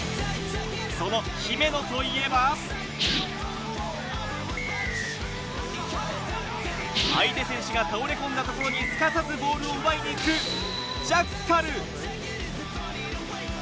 その姫野といえば、相手選手が倒れこんだところに、すかさずボールを奪いに行くジャッカル。